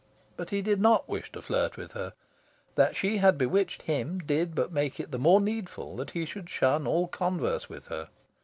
But he did not wish to flirt with her. That she had bewitched him did but make it the more needful that he should shun all converse with her.